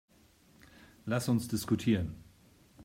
Lass uns diskutieren.